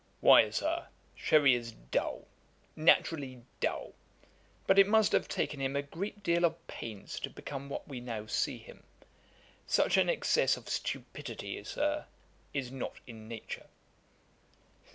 'Why, Sir, Sherry is dull, naturally dull; but it must have taken him a great deal of pains to become what we now see him. Such an excess of stupidity, Sir, is not in Nature.'